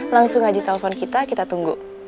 langsung aja telepon kita kita tunggu